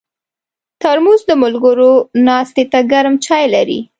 ترموز د ملګرو ناستې ته ګرم چای لري.